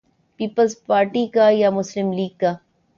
Peoples Party کا یا Muslim League کا؟